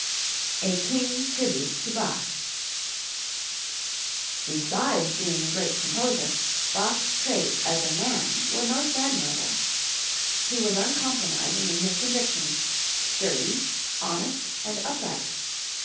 A King's Tribute to Bach. Besides being a great composer, Bach's traits as a man were most admirable. He was uncompromising in his convictions, sturdy, honest and upright.